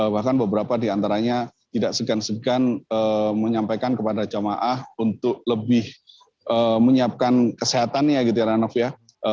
bahkan beberapa diantaranya tidak segan segan menyampaikan kepada jamaah untuk lebih menyiapkan kesehatan ya gitu eranof ya